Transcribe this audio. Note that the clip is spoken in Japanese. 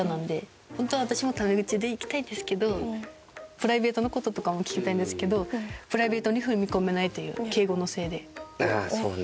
プライベートの事とかも聞きたいんですけどプライベートに踏み込めないという敬語のせいで。